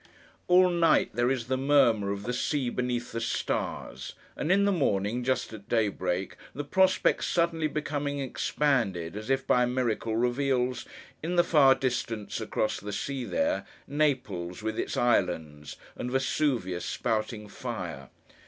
All night there is the murmur of the sea beneath the stars; and, in the morning, just at daybreak, the prospect suddenly becoming expanded, as if by a miracle, reveals—in the far distance, across the sea there!—Naples with its islands, and Vesuvius spouting fire!